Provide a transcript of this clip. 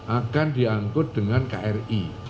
akan diangkut dengan kri